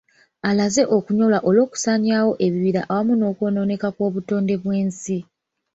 Alaze okunyolwa olw’okusaanyaawo ebibira awamu n’okwonooneka kw’obutonde bw’ensi .